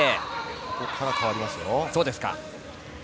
ここから変わりますよ。